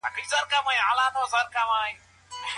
که واټن ډیر وي نو اړیکه پرې کیږي.